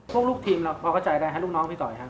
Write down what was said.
พวกลูกทีมเราเข้าใจอะไรครับลูกน้องพี่ตอยค่ะ